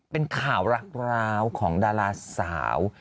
เป็นข่าวรักร้าวของดาราสาว